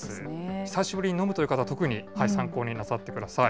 久しぶりに飲むという方、特に参考になさってください。